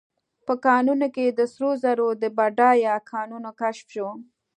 په کانونو کې د سرو زرو د بډایه کانونو کشف شو.